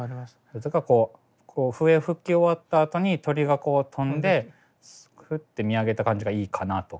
それとかこう笛吹き終わったあとに鳥がこう飛んでふって見上げた感じがいいかなとか。